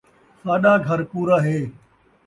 ساݙا گھر پورا ہے